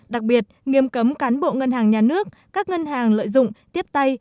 đặc biệt nghiêm cấm cán bộ ngân hàng nhà nước các ngân hàng lợi dụng tiếp tay